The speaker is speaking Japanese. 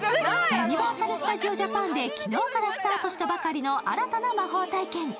ユニバーサル・スタジオ・ジャパンで昨日からスタートしたばかりの新たな魔法体験。